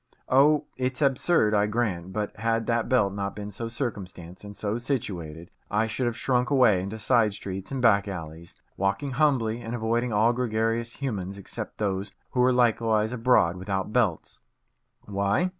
Oh, it's absurd, I grant, but had that belt not been so circumstanced, and so situated, I should have shrunk away into side streets and back alleys, walking humbly and avoiding all gregarious humans except those who were likewise abroad without belts. Why?